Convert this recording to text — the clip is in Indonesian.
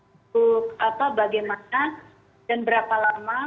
untuk bagaimana dan berapa lama